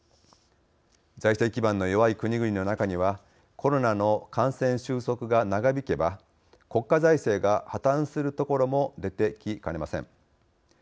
財政基盤の弱い国々の中にはコロナの感染収束が長引けば国家財政が破綻する所も出てきかねません。